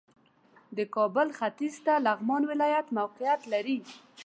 د کابل ختیځ ته لغمان ولایت موقعیت لري